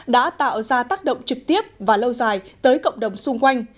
đã tạo ra tác động trực tiếp và lâu dài tới cộng đồng xung quanh